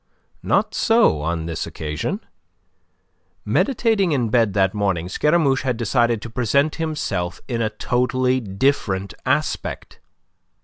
Not so on this occasion. Meditating in bed that morning, Scaramouche had decided to present himself in a totally different aspect.